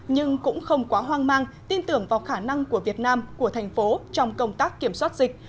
nhưng cũng không quá hoang mang tin tưởng vào khả năng của việt nam của thành phố trong công tác kiểm soát dịch